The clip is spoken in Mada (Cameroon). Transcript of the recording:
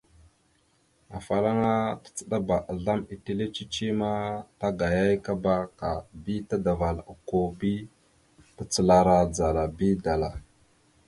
Afalaŋana tacəɗabá azlam etellé cici ma tagayayakaba ka bi tadaval okko bi tacalara dzala bi dala.